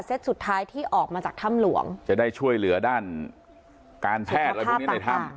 สุดท้ายที่ออกมาจากถ้ำหลวงจะได้ช่วยเหลือด้านการแพทย์อะไรพวกนี้ในถ้ำ